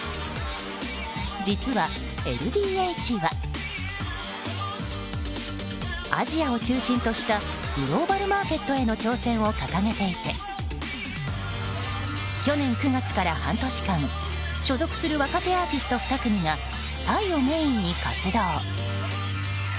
実はＬＤＨはアジアを中心としたグローバルマーケットへの挑戦を掲げていて去年９月から半年間所属する若手アーティスト２組がタイをメインに活動。